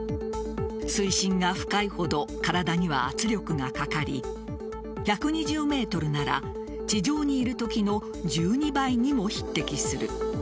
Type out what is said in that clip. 水深が深いほど体には圧力がかかり１２０ｍなら地上にいるときの１２倍にも匹敵する。